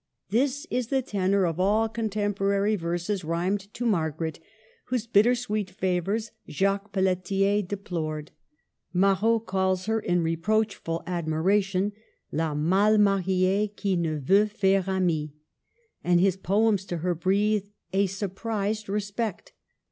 This is the tenor of all contemporary verses rhymed to Margaret, whose bitter sweet favors Jacques Pelletier de plored. Marot calls her, in reproachful admira tion, " La mal mariee qui ne veult faire amy," and his poems to her breathe a surprised re spect.